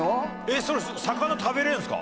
その魚食べれんですか？